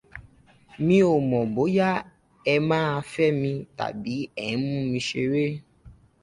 Mi ò mọ̀ bóyá ẹ máa fẹ́ mi tàbí ẹ̀ ń mú mi ṣeré.